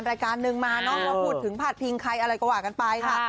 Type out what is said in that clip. รายการหนึ่งมาเนอะก็พูดถึงพาดพิงใครอะไรก็ว่ากันไปค่ะ